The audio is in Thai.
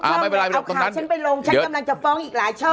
เอาข่าวฉันไปลงฉันกำลังจะฟ้องอีกหลายช่อง